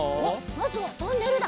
まずはトンネルだ。